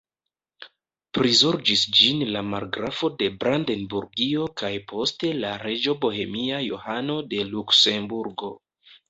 Prizorĝis ĝin la margrafo de Brandenburgio kaj poste la reĝo bohemia Johano de Luksemburgo.